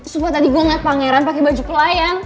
supa tadi gue liat pangeran pake baju pelayan